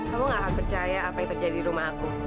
kamu gak akan percaya apa yang terjadi di rumah aku